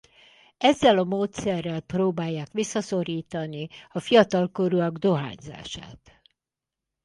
Ezzel a módszerrel próbálják visszaszorítani a fiatalkorúak dohányzását.